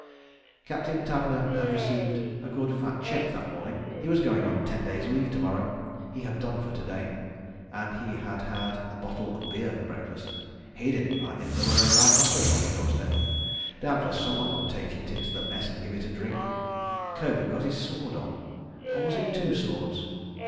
... Captain Tavner had received a good fat cheque that morning; he was going on ten days' leave to morrow; he had done for to day; and he had had a bottle of beer for breakfast. He didn't mind if there were a rhinoceros on the doorstep. Doubtless someone would take it into the Mess and give it a drink. ... Cove had got his sword on—or was it two swords?